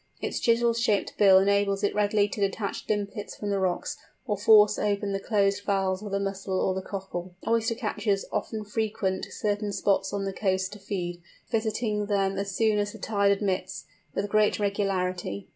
Its chisel shaped bill enables it readily to detach limpets from the rocks, or force open the closed valves of the mussel or the cockle. Oyster catchers often frequent certain spots on the coast to feed, visiting them as soon as the tide admits, with great regularity.